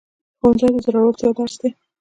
ښوونځی د زړورتیا درس دی